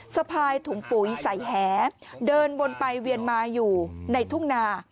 สะพายถุงปุ๋ยใส่แหเดินวนไปเวียนมาอยู่ในทุ่งนา